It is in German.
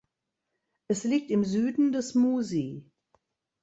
Es liegt im Süden des Musi.